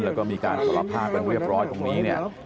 แล้วก็มีการสลับภาพกันเรียบร้อยตรงนี้